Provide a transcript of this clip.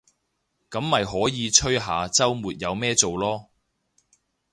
噉咪可以吹下週末有咩做囉